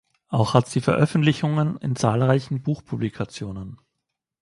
Auch hat sie Veröffentlichungen in zahlreichen Buchpublikationen.